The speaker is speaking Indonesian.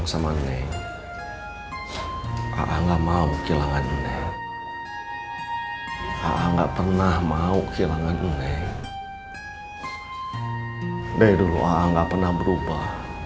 sampai jumpa di video selanjutnya